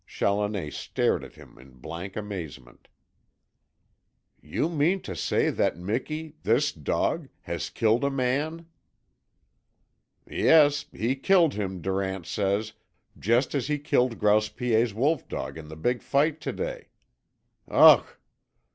Challoner stared at him in blank amazement. "You mean to say that Miki this dog has killed a man?" "Yes. He killed him, Durant says, just as he killed Grouse Piet's wolf dog in the big fight to day. UGH!"